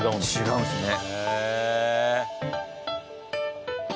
違うんですね。